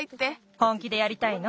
本気でやりたいの？